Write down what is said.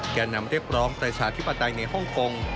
แก่นำเรียกร้องจากสถิภัทริปไตยในฮ่องคง